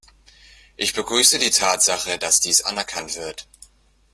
Ich begrüße die Tatsache, dass dies anerkannt wird.